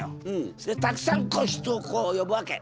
それでたくさん人をこう呼ぶわけ。